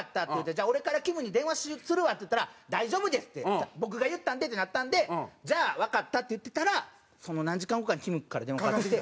「じゃあ俺からきむに電話するわ」って言ったら「大丈夫です僕が言ったんで」ってなったんで「じゃあわかった」って言ってたらその何時間後かにきむから電話かかってきて。